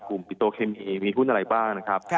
ปิโตเคมีมีหุ้นอะไรบ้างนะครับ